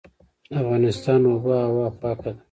د افغانستان اوبه هوا پاکه ده